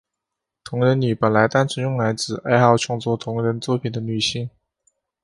同人女本来单纯用来指爱好创作同人作品的女性。